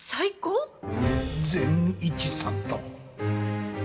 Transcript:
善一さんと。